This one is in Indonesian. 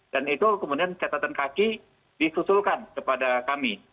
dan itu kemudian catatan kaki disusulkan kepada kami